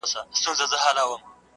چي زه به څرنگه و غېږ ته د جانان ورځمه~